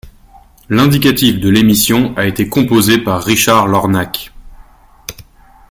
L'indicatif de l'émission a été composé par Richard Lornac.